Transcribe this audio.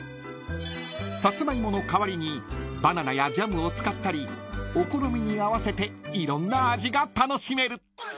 ［サツマイモの代わりにバナナやジャムを使ったりお好みに合わせていろんな味が楽しめる］